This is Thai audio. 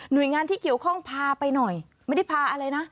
โดยงานที่เกี่ยวข้องพาไปหน่อยไม่ได้พาอะไรนะ